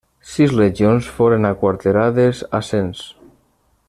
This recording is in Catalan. Sis legions foren aquarterades a Sens.